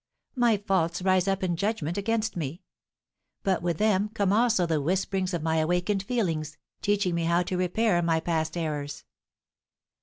My faults rise up in judgment against me; but with them come also the whisperings of my awakened feelings, teaching me how to repair my past errors."